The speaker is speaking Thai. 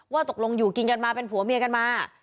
ว่าตกลงอยู่กินกันมาเป็นผัวเมียกันมา